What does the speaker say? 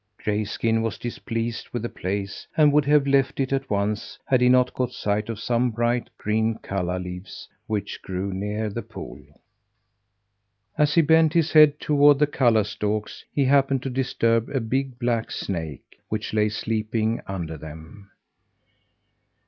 Grayskin was displeased with the place and would have left it at once had he not caught sight of some bright green calla leaves which grew near the pool. As he bent his head toward the calla stalks, he happened to disturb a big black snake, which lay sleeping under them.